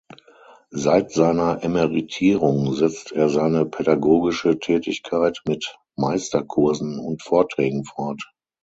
Seit seiner Emeritierung setzt er seine pädagogische Tätigkeit mit Meisterkursen und Vorträgen fort.